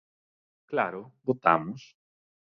Claro, votamos.